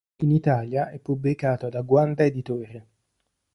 In Italia è pubblicato da Guanda editore.